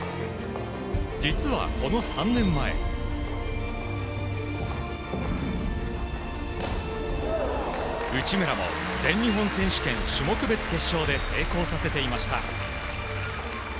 実はこの３年前内村も全日本選手権種目別決勝で成功させていました。